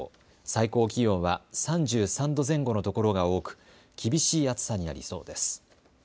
最高気温は３３度前後の所が多く厳しい暑さになりそうです。